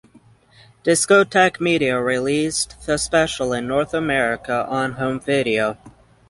Discotek Media released the special in North America on home video.